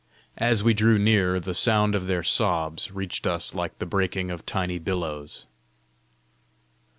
As we drew near, the sound of their sobs reached us like the breaking of tiny billows.